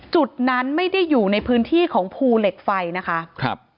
จุดนั้นไม่ได้อยู่ในพื้นที่ของภูเหล็กไฟนะคะครับ